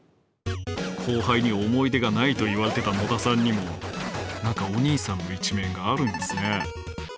後輩に「思い出がない」と言われてた野田さんにも何かおにいさんの一面があるんですね。